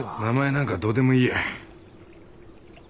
名前なんかどうでもいいや。